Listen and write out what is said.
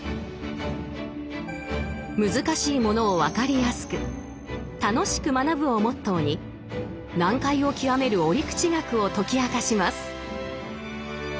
難しいものを分かりやすく楽しく学ぶをモットーに難解を極める折口学を解き明かします。